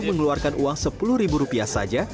mengeluarkan uang sepuluh ribu rupiah saja